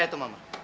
eh itu mama